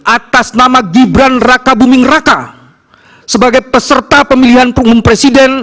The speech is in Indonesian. atas nama gibran raka buming raka sebagai peserta pemilihan umum presiden